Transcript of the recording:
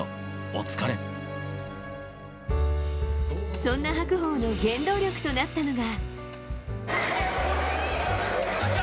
そんな白鵬の原動力となったのが。